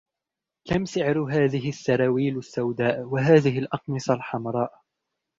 كم سعر هذه السراويل السوداء و هذه الأقمصة الحمراء؟